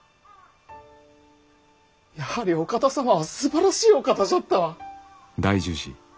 やはりお方様はすばらしいお方じゃったわ！